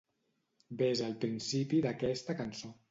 Ves al principi d'aquesta cançó.